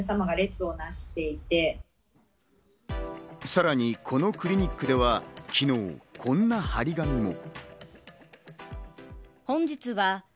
さらに、このクリニックでは、昨日、こんな張り紙も。